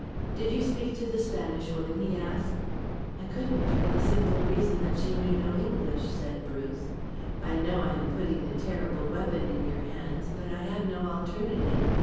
"Did you speak to the Spanish woman?" he asked. "I couldn't, for the simple reason that she knew no English," said Bruce. "I know I am putting a terrible weapon in your hands but I have no alternative.